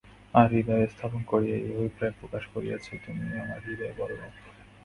আর হৃদয়ে স্থাপন করিয়া এই অভিপ্রায় প্রকাশ করিয়াছে, তুমি আমার হৃদয়বল্লভ।